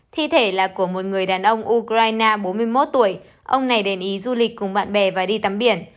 thi thể là của một người đàn ông ukraine bốn mươi một tuổi ông này đến ý du lịch cùng bạn bè và đi tắm biển